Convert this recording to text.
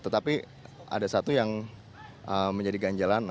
tetapi ada satu yang menjadi ganjalan